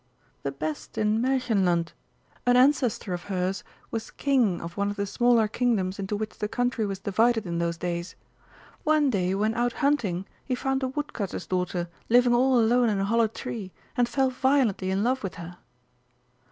"The best in Märchenland. An ancestor of hers was King of one of the smaller Kingdoms into which the country was divided in those days. One day when out hunting he found a woodcutter's daughter living all alone in a hollow tree, and fell violently in love with her."